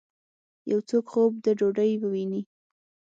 یو څوک خوب د ډوډۍ وویني